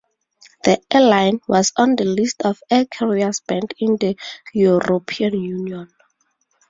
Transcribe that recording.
The airline was on the List of air carriers banned in the European Union.